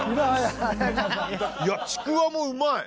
いやちくわもうまい。